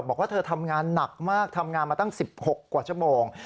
บอกว่าเธอทำงานหนักมากทำงานมาตั้ง๑๖กว่าชั่วโมง